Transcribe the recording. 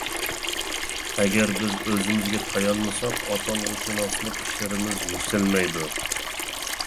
ئەگەر بىز ئۆزىمىزگە تايانمىساق ئاتالغۇشۇناسلىق ئىشلىرىمىز يۈكسەلمەيدۇ.